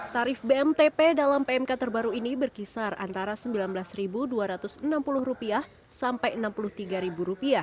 tarif bmtp dalam pmk terbaru ini berkisar antara rp sembilan belas dua ratus enam puluh sampai rp enam puluh tiga